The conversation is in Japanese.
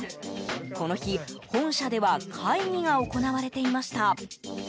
この日、本社では会議が行われていました。